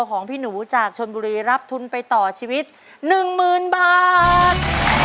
ของพี่หนูจากชนบุรีรับทุนไปต่อชีวิตหนึ่งหมื่นบาท